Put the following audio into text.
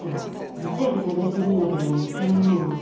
頭痛薬探してるんだけど見つからないの。